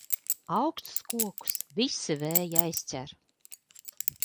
Augstus kokus visi vēji aizķer.